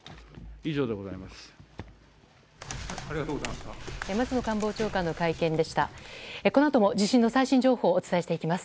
以上でございます。